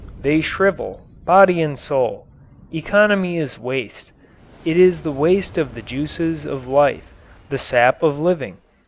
They shrivel body and soul. Economy is waste: it is waste of the juices of life, the sap of living.